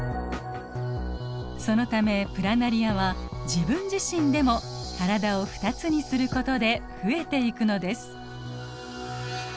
そのためプラナリアは自分自身でも体を２つにすることで増えていくのです。